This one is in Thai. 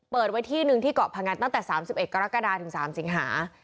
เปิดไว้ที่หนึ่งที่เกาะพงันตั้งแต่๓๑กรกฎาถึง๓สิงหา